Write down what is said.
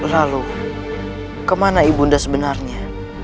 lalu kemana ibu bunda sebenarnya